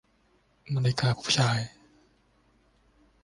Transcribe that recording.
นาฬิกาผู้ชาย